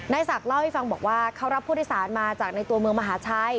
ศักดิ์เล่าให้ฟังบอกว่าเขารับผู้โดยสารมาจากในตัวเมืองมหาชัย